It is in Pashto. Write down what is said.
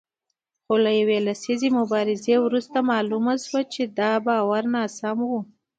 خو له یوې لسیزې مبارزې وروسته معلومه شوه چې دا باور ناسم و